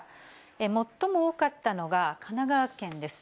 最も多かったのが神奈川県です。